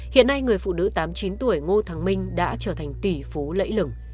hiện nay người phụ nữ tám mươi chín tuổi ngô thắng minh đã trở thành tỷ phú lẫy lửng